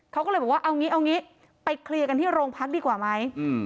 เขาก็เลยบอกว่าเอางี้เอางี้ไปเคลียร์กันที่โรงพักดีกว่าไหม